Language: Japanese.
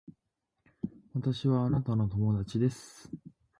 私はあなたの友達です